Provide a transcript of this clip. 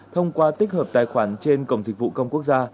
thông qua tích hợp tài khoản trên cổng dịch vụ công quốc gia